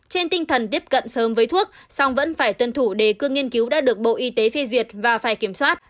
trên tinh thần tiếp cận sớm với thuốc song vẫn phải tuân thủ đề cương nghiên cứu đã được bộ y tế phê duyệt và phải kiểm soát